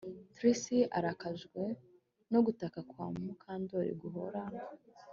Trix arakajwe no gutaka kwa Mukandoli guhora